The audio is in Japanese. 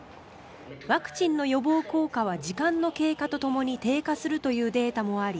ワクチンの予防効果は時間の経過とともに低下するというデータもあり